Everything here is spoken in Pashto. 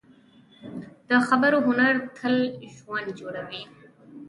د خبرو هنر تل ژوند جوړوي